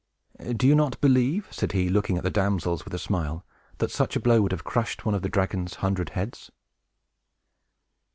"Do you not believe," said he, looking at the damsels with a smile, "that such a blow would have crushed one of the dragon's hundred heads?"